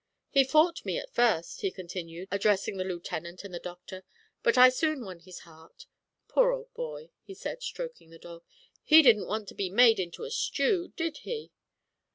"He fought me at first," he continued, addressing the Lieutenant and the Doctor; "but I soon won his heart. Poor old boy," he said, stroking the dog, "he didn't want to be made into a stew, did he?"